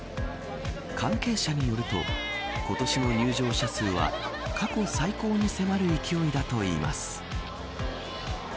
関係者によると今年の入場者数は、過去最高に迫る勢いだといいます。